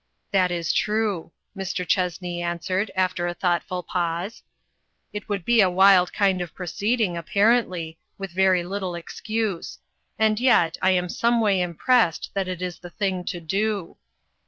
" That is true," Mr. Chessney answered, after a thoughtful pause; "it would be a wild kind of proceeding, apparently, with very little excuse ; and yet I am someway impressed that it is the thing to do."